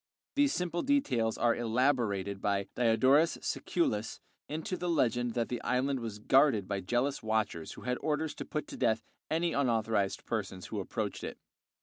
These simple details are elaborated by Diodorus Siculus into the legend that the island was guarded by jealous watchers who had orders to put to death any unauthorized persons who approached it.